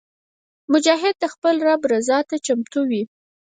مجاهد د خپل رب رضا ته چمتو وي.